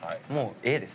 Ａです。